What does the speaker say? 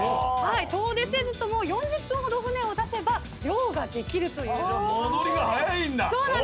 遠出せずとも４０分ほど船を出せば漁ができるという。